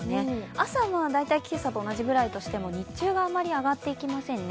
朝は大体今朝と同じぐらいとしても、日中があまり上がっていきませんね。